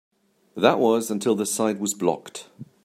That was until the site was blocked.